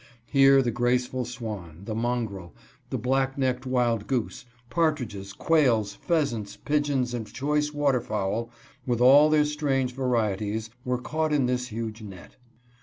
Here the graceful swan, the mongrel, the black necked wild goose, partridges, quails, pheasants, pigeons and choice water fowl, with all their strange varieties, were caught in this (65) 66 CHOICE VIANDS AT THE LLOYDS. huge net.